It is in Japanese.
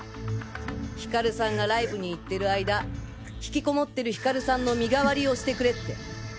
ヒカルさんがライブに行ってる間引きこもってるヒカルさんの身代わりをしてくれって。